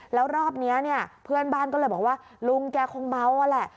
แล้วรอบนี้เนี่ยเพื่อนบ้านก็เลยบอกว่าลุงแกคงเมาอ่ะแหละ